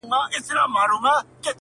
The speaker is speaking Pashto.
ددې ښكلا.